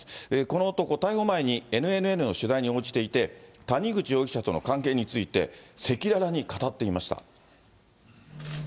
この男、逮捕前にＮＮＮの取材に応じていて、谷口容疑者との関係について、赤裸々に語っていました。